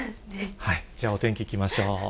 じゃあ、お天気いきましょう。